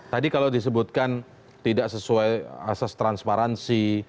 tadi kalau disebutkan tidak sesuai asas transparansi